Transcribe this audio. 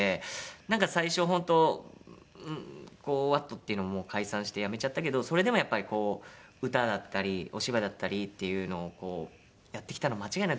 なんか最初本当ＷａＴっていうのももう解散してやめちゃったけどそれでもやっぱりこう歌だったりお芝居だったりっていうのをこうやってきたのは間違いない。